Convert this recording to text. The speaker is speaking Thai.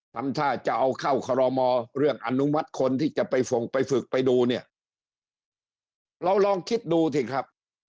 ทำท่าจะเอาเข้าคอรมอเรื่องอนุมัติคนที่จะไปส่งไปฝึกไปดูเนี่ยเราลองคิดดูสิครับ